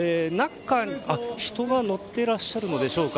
人が乗ってらっしゃるのでしょうか。